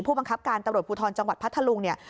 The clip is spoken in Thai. บังคับการตำรวจภูทรจังหวัดพัทธลุงเนี่ย